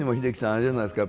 あれじゃないですか。